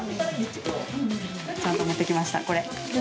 ちゃんと持ってきました、これ。